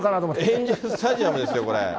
エンジェルスタジアムですよ。